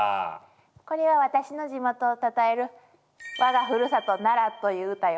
これは私の地元をたたえる「我がふるさと奈良」という歌よ。